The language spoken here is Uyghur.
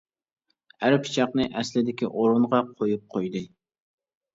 ئەر پىچاقنى ئەسلىدىكى ئورۇنغا قويۇپ قويدى.